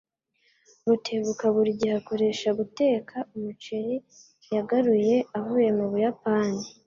Rutebuka buri gihe akoresha guteka umuceri yagaruye avuye mu Buyapani.